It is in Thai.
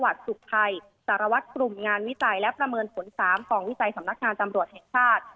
สุขภัยสารวัตรกลุ่มงานวิจัยและประเมินผล๓ของวิจัยสำนักงานตำรวจแห่งชาติ